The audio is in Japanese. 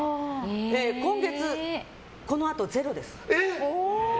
今月このあとゼロです。